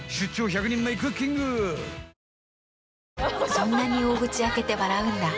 そんなに大口開けて笑うんだ。